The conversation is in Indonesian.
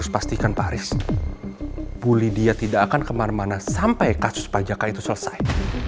pastikan paris bulidia tidak akan kemana mana sampai kasus pajaknya itu selesai